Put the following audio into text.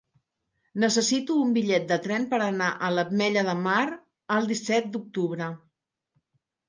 Necessito un bitllet de tren per anar a l'Ametlla de Mar el disset d'octubre.